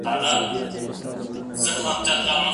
د مسجد په منارو که مې هېرېږئ!